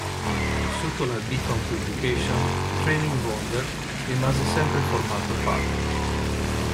Sotto la Beacon Publications "Thrilling Wonder" rimase sempre formato pulp.